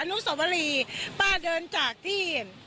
นุสวรีป้าเดินจากที่